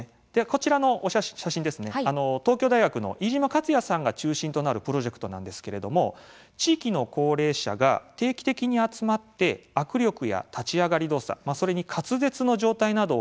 こちらの写真ですね、東京大学の飯島勝矢さんが中心となるプロジェクトなんですけれども地域の高齢者が定期的に集まって握力や立ち上がり動作、それに滑舌の状態などを計測します。